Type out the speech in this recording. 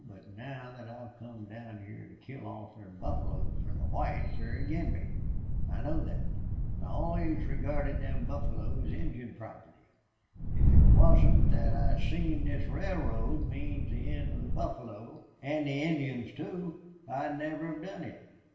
But now thet I've come down hyar to kill off their buffalo fer the whites they're ag'in' me. I know thet. An' I allus regarded them buffalo as Injun property. If it wasn't thet I seen this railroad means the end of the buffalo, an' the Indians, too, I'd never hev done it.